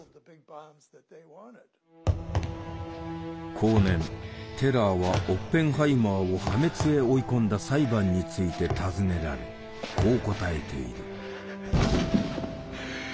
後年テラーはオッペンハイマーを破滅へ追い込んだ裁判について尋ねられこう答えている。